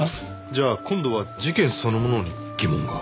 じゃあ今度は事件そのものに疑問が？